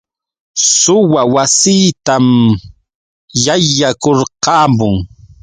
Suwa wasiitan yaykurqamun.